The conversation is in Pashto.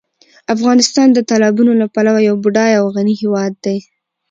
افغانستان د تالابونو له پلوه یو بډایه او غني هېواد دی.